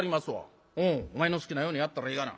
「お前の好きなようにやったらええがな」。